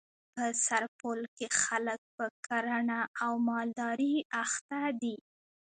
په سرپل کي خلک په کرهڼه او مالدري اخته دي.